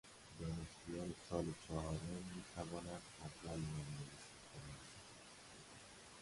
دانشجویان سال چهارم میتوانند اول نام نویسی کنند.